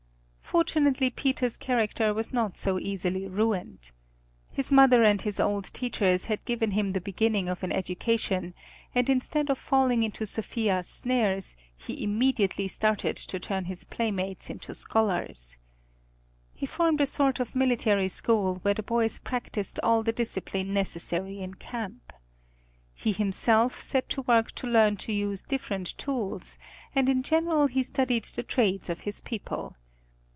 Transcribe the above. Fortunately Peter's character was not so easily ruined. His mother and his old teachers had given him the beginning of an education and instead of falling into Sophia's snares, he immediately started to turn his playmates into scholars. He formed a sort of military school, where the boys practiced all the discipline necessary in camp. He himself set to work to learn to use different tools, and in general he studied the trades of his people.